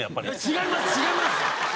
違います！